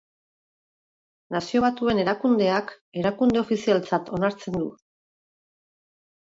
Nazio Batuen Erakundeak erakunde ofizialtzat onartzen du.